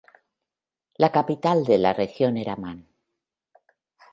La capital de la región era Man.